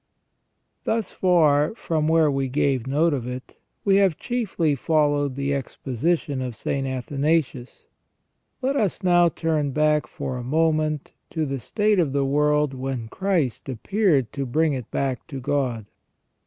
Thus far, from where we gave note of it, we have chiefly fol lowed the exposition of St. Athanasius,* Let us now turn back for a moment to the state of the world when Christ appeared to bring it back to God.